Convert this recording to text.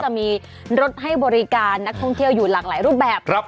จะมีรถให้บริการนักท่องเที่ยวอยู่หลากหลายรูปแบบ